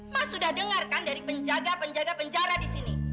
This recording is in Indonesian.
mas sudah dengar kan dari penjaga penjaga penjara disini